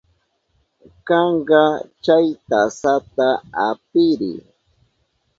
Kanka, chay tasata apiriy.